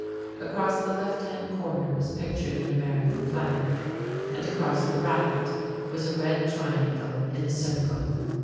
Across the left hand corner was pictured an American flag, and across the right was a red triangle in a circle.